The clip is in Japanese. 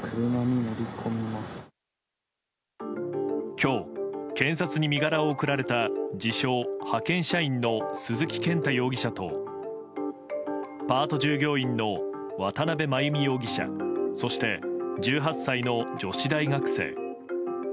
今日、検察に身柄を送られた自称・派遣社員の鈴木健太容疑者とパート従業員の渡邉真由美容疑者そして１８歳の女子大学生。